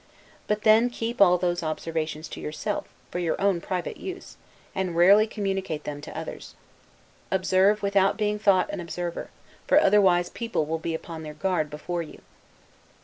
But then keep all those observations to yourself, for your own private use, and rarely communicate them to others. Observe, without being thought an observer, for otherwise people will be upon their guard before you.